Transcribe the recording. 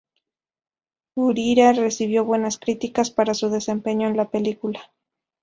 Gurira recibió buenas críticas para su desempeño en la película.